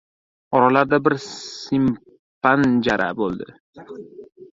Oralarida bir simpanjara bo‘ldi.